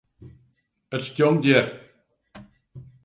It stjonkt hjir.